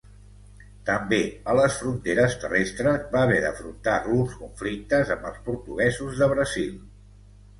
També a les fronteres terrestres va haver d'afrontar alguns conflictes amb els portuguesos de Brasil.